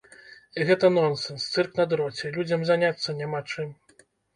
Гэта нонсенс, цырк на дроце, людзям заняцца няма чым!